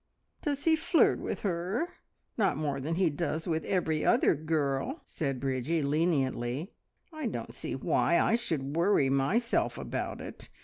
"Does he flirt with her? Not more than he does with every other girl," said Bridgie leniently. "I don't see why I should worry myself about it.